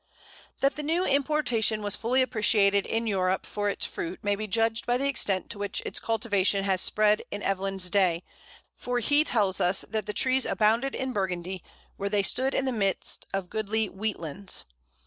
That the new importation was fully appreciated in Europe for its fruit may be judged by the extent to which its cultivation had spread in Evelyn's day, for he tells us the trees abounded in Burgundy, where they stood in the midst of goodly wheat lands.